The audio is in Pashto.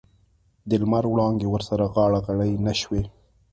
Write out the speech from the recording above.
د لمر وړانګې ورسره غاړه غړۍ نه شوې.